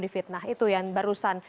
di fitnah itu yang barusan